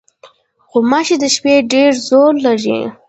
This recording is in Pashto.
غوماشې د شپې ډېر زور لري.